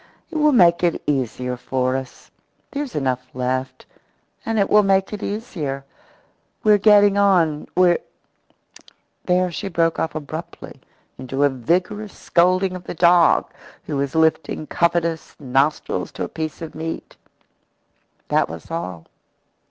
It will make it easier for us. There's enough left and it will make it easier. We're getting on we're " There she broke off abruptly into a vigorous scolding of the dog, who was lifting covetous nostrils to a piece of meat. That was all.